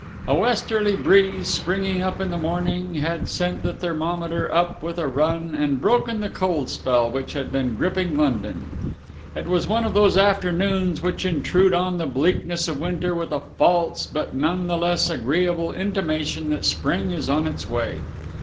A westerly breeze, springing up in the morning, had sent the thermometer up with a run and broken the cold spell which had been gripping London. It was one of those afternoons which intrude on the bleakness of winter with a false but none the less agreeable intimation that Spring is on its way.